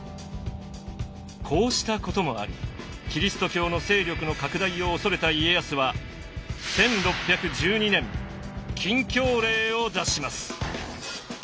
こうしたこともありキリスト教の勢力の拡大を恐れた家康は１６１２年禁教令を出します。